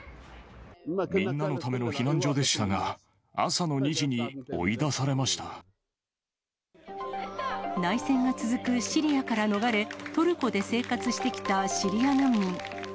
みんなのための避難所でした内戦が続くシリアから逃れ、トルコで生活してきたシリア難民。